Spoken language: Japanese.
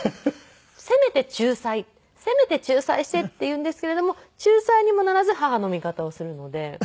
「せめて仲裁して」って言うんですけれども仲裁にもならず母の味方をするので。